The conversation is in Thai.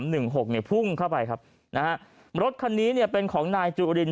หกเนี่ยพุ่งเข้าไปครับนะฮะรถคันนี้เนี่ยเป็นของนายจุริน